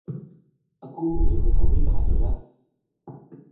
阿姑你去後面排隊啦